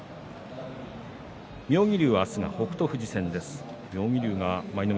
妙義龍は明日は北勝富士戦です。